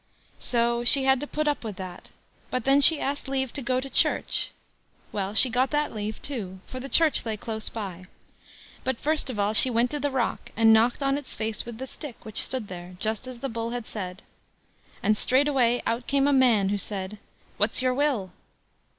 So she had to put up with that, but then she asked leave to go to church; well, she got that leave too, for the church lay close by. But, first of all, she went to the rock, and knocked on its face with the stick which stood there, just as the Bull had said. And straightway out came a man, who said: "What's your will?"